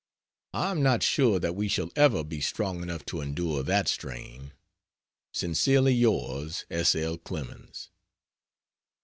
I am not sure that we shall ever be strong enough to endure that strain. Sincerely yours, S. L. CLEMENS.